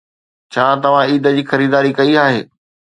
ڇا توهان عيد جي خريداري ڪئي آهي؟